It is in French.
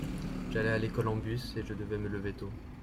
J'allais à l'école en bus et je devais me lever tôt.